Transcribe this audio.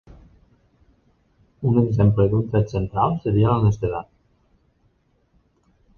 Un exemple d'un tret central seria l'honestedat.